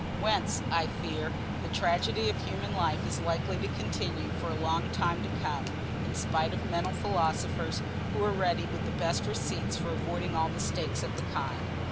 Whence, I fear, the tragedy of human life is likely to continue for a long time to come, in spite of mental philosophers who are ready with the best receipts for avoiding all mistakes of the kind.